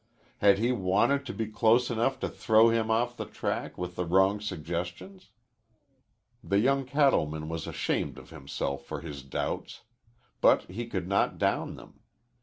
Had he wanted to be close enough to throw him off the track with the wrong suggestions? The young cattleman was ashamed of himself for his doubts. But he could not down them.